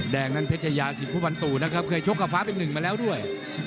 แดงนั้นเพชรยาสิทธิบันตู่นะครับเคยชกกับฟ้าเป็นหนึ่งมาแล้วด้วย